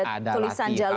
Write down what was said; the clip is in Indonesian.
ada tulisan jalur